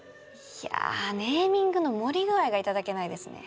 いやネーミングの盛り具合が頂けないですね。